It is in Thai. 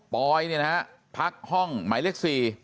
ปอยเนี่ยนะฮะพักห้องหมายเลข๔